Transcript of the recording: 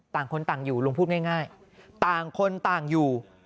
ต่างคนต่างอยู่ลุงพูดง่ายต่างคนต่างอยู่